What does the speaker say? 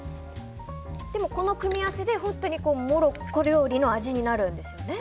でもこの組み合わせで本当にモロッコ料理の味になるんですよね。